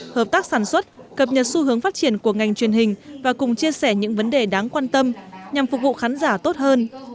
hợp tác sản xuất cập nhật xu hướng phát triển của ngành truyền hình và cùng chia sẻ những vấn đề đáng quan tâm nhằm phục vụ khán giả tốt hơn